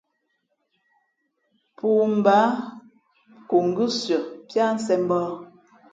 Pōō mbǎ nko ngʉ́siα piā sēn mbǒh.